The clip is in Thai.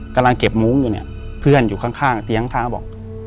กำลังเก็บมุ้งอยู่เนี่ยเพื่อนอยู่ข้างเตียงข้างก็บอก